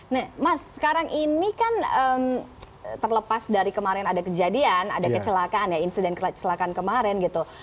nah mas sekarang ini kan terlepas dari kemarin ada kejadian ada kecelakaan ya insiden kecelakaan kemarin gitu